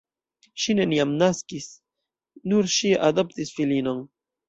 Ŝi neniam naskis, nur ŝi adoptis filinon.